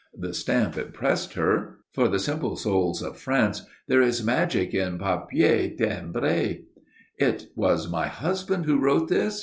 The stamp impressed her. For the simple souls of France there is magic in papier timbré. "It was my husband who wrote this?"